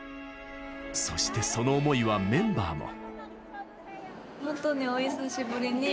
そして、その思いはメンバーも。